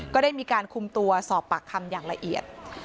ก็ได้มีการคุมตัวสอบปากคำอย่างละเอียด